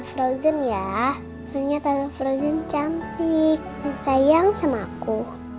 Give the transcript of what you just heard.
frozen ya tanya tante frozen cantik dan sayang sama aku